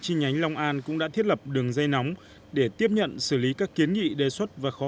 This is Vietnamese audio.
chi nhánh long an cũng đã thiết lập đường dây nóng để tiếp nhận xử lý các kiến nghị đề xuất và khó